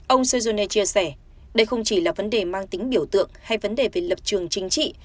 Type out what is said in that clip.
ông sejunei chia sẻ đây không chỉ là vấn đề mang tính biểu tượng hay vấn đề về lập trường chính trị